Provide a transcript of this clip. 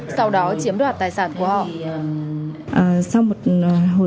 sau đó chiếm đoạt tài sản của họ